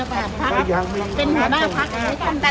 เป็นหัวหน้าพัก